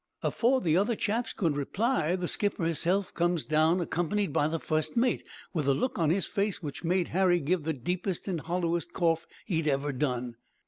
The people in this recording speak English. "'Afore the other chaps could reply, the skipper hisself comes down, accompanied by the fust mate, with a look on his face which made Harry give the deepest and hollowest cough he'd ever done.